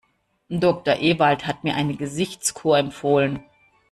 Doktor Ewald hat mir eine Gesichtskur empfohlen.